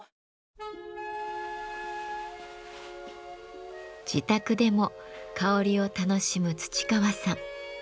自宅でも香りを楽しむ土川さん。